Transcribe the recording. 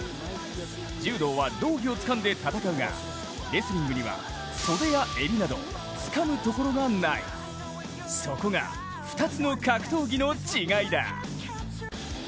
柔道は道着をつかんで戦うがレスリングには袖や襟など、つかむところがないそこが、２つの格闘技の違いだ。